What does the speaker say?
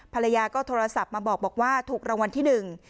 ภรรยาก็โทรศัพท์มาบอกว่าถูกรางวัลที่หนึ่ง